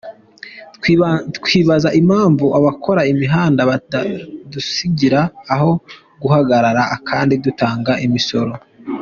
Twibaza impamvu abakora imihanda batadusigira aho guhagarara kandi dutanga imisoro.